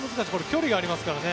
距離がありますからね。